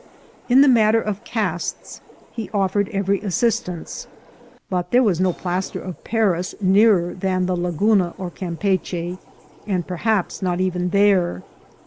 In the matter of casts he offered every assistance, but there was no plas ter of Paris nearer than the Laguna or Campeachy, and perhaps not there.